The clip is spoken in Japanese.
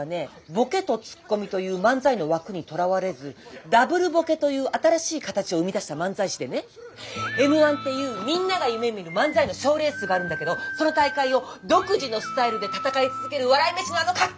ボケとツッコミという漫才の枠にとらわれずＷボケという新しい形を生み出した漫才師でね「Ｍー１」っていうみんなが夢みる漫才の賞レースがあるんだけどその大会を独自のスタイルで戦い続ける笑い飯のあのかっこいい姿ったら。